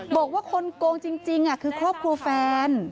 บอกว่าคนโกงจริงคือครอบครัวแฟน